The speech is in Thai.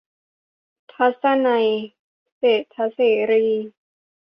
ทัศนัย เศรษฐเสรี